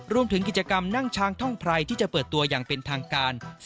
รวมถึงกิจกรรมนั่งช้างท่องไพรที่จะเปิดตัวอย่างเป็นทางการ